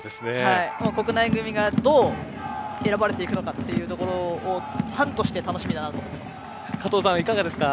国内組がどう選ばれていくのかというところをファンとして加藤さんいかがですか。